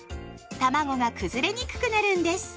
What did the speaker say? たまごが崩れにくくなるんです。